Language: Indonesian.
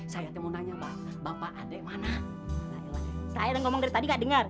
saya yang ngomong dari tadi gak denger